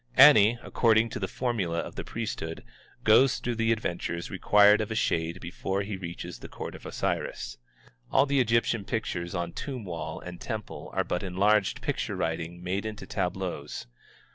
Ani, according to the formula of the priesthood, goes through the adventures required of a shade before he reaches the court of Osiris. All the Egyptian pictures on tomb wall and temple are but enlarged picture writing made into tableaus.